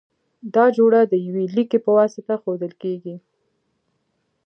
دا جوړه د یوه لیکي په واسطه ښودل کیږی.